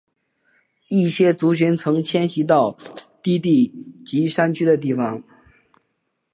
一些族群曾迁徙到低地及山区的地方。